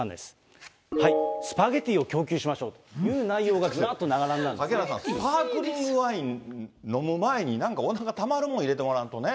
スパゲティーを供給しましょうという内容がずらっと並んだん嵩原さん、スパークリングワイン飲む前に、なんかおなかにたまるもん入れてもらわんとね。